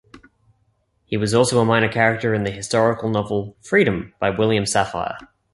He was also a minor character in the historical novel "Freedom" by William Safire.